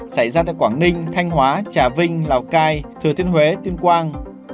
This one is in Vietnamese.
xảy ra tại quảng ninh thanh hóa trà vinh lào cai thừa thiên huế tuyên quang